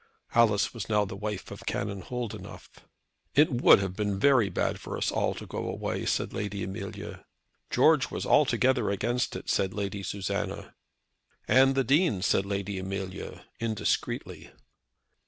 Alice was now the wife of Canon Holdenough. "It would have been very bad for us all to go away," said Lady Amelia. "George was altogether against it," said Lady Susanna. "And the Dean," said Lady Amelia, indiscreetly.